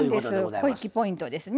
小粋ポイントですね。